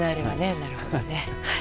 なるほどね。